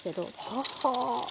ははあ。